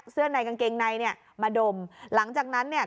เสื้อในกางเกงในเนี่ยมาดมหลังจากนั้นเนี่ย